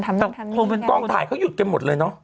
แต่พูดเป็นกองถ่ายเขาหยุดกันหมดเลยเนาะ